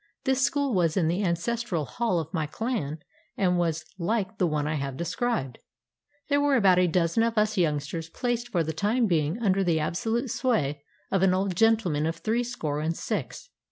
This school was in the ancestral hall of my clan and was like the one I have described. There were about a dozen of us youngsters placed for the time being under the absolute sway of an old gentleman of threescore and six.